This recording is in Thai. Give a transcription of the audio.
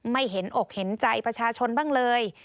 ไม่เห็นอกเห็นใจประชาชนบ้างเลย